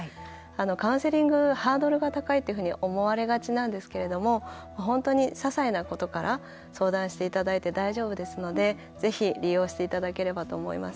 カウンセリングハードルが高いっていうふうに思われがちなんですけれども本当に、ささいなことから相談していただいて大丈夫ですのでぜひ、利用していただければと思います。